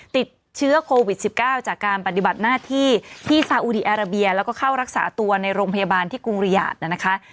ติดเชื้อโควิด๑๙จากการปฏิบัติหน้าที่ที่ซาอุดีอาราเบียแล้วก็เข้ารักษาตัวในโรงพยาบาลที่กรุงริยาทนะคะ